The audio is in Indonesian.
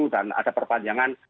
dan ada perpanjangan